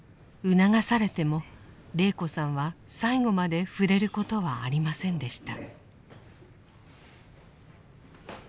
促されても禮子さんは最後まで触れることはありませんでした。